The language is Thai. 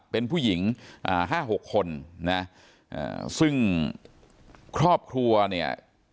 เป็นผู้หญิง๕๖คนซึ่งครอบครัวเนี่ย